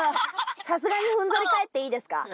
さすがにふんぞり返っていいですか？